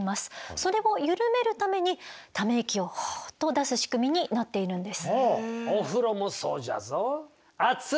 それを緩めるためにため息をホッと出す仕組みになっているんです。